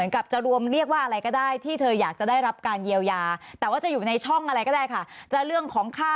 การเยียวยาแต่ว่าจะอยู่ในช่องอะไรก็ได้ค่ะจะเรื่องของ